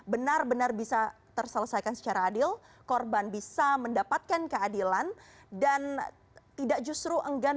benar benar bisa terselesaikan secara adil korban bisa mendapatkan keadilan dan tidak justru enggan